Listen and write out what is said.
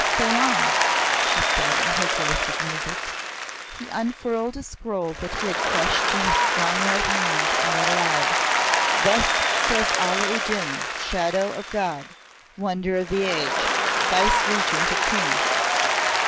"Say on," she said in her voice of music. He unfurled a scroll that he had crushed in his strong right hand, and read aloud: "'Thus says Allah u Din, Shadow of God, Wonder of the Age, Viceregent of Kings.